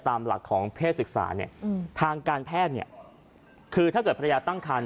ตามหลักของเพศศึกษาเนี่ยทางการแพทย์เนี่ยคือถ้าเกิดภรรยาตั้งคัน